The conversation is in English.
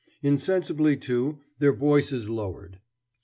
Insensibly, too, their voices lowered.